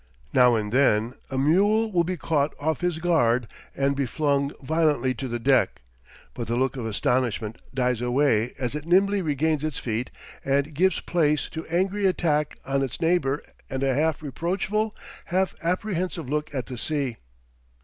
Now and then a mule will be caught off his guard and be flung violently to the deck, but the look of astonishment dies away as it nimbly regains its feet, and gives place to angry attack on its neighbor and a half reproachful, half apprehensive look at the sea.